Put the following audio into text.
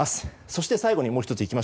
そして最後にもう１つ。